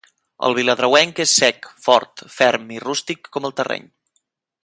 El viladrauenc és sec, fort, ferm i rústic com el terreny.